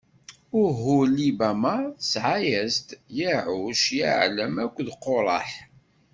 Uhulibama tesɛa-as-d: Yaɛuc, Yaɛlam akked Quraḥ.